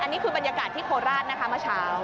นี่คือบรรยากาศที่โคราชนะคะเมื่อเช้า